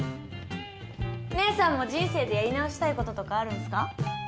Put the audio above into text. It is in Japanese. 姐さんも人生でやり直したい事とかあるんすか？